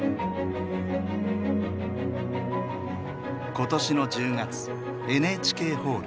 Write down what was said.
今年の１０月ＮＨＫホール。